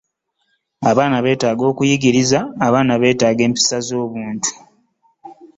Abaana beetaaga okuyigiriza abaana empisa zomubantu.